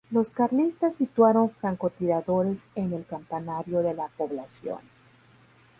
Los carlistas situaron francotiradores en el campanario de la población.